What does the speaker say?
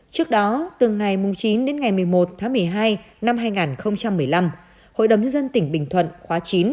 trước đó từ ngày chín đến ngày một mươi một tháng một mươi hai năm hai nghìn một mươi năm hội đồng nhân dân tỉnh bình thuận khóa chín